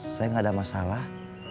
saya enggak ada masalah